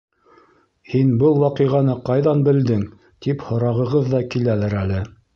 Һин был ваҡиғаны ҡайҙан белдең, тип һорағығыҙ ҙа киләлер әле.